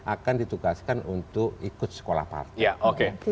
akan ditugaskan untuk ikut sekolah partai